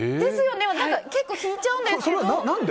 結構、引いちゃうんですけど。